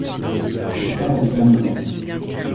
Le phare est peint blanc.